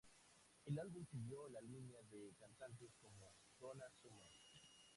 El álbum siguió la línea de cantantes como Donna Summer.